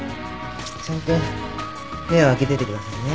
ちゃんと目を開けててくださいね。